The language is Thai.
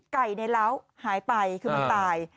ไก่ในเล้าหายไปคือมันตาย